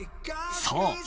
［そう。